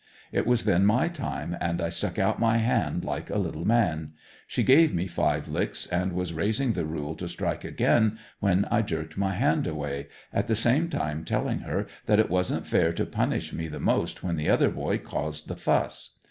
It was then my time, and I stuck out my hand like a little man. She gave me five licks and was raising the rule to strike again when I jerked my hand away, at the same time telling her that it wasn't fair to punish me the most when the other boy caused the fuss.